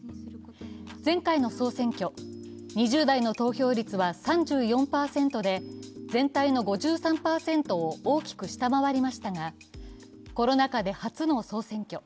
前回の総選挙、２０代の投票率は３４％で、全体の５３％を大きく下回りましたが、コロナ禍で初の総選挙。